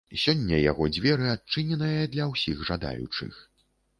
Сёння яго дзверы адчыненыя для ўсіх жадаючых.